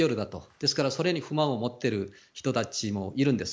ですからそれに不満を持ってる人たちもいるんです。